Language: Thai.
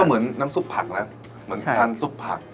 เหมือนน้ำซุปผักนะเหมือนทานซุปผัก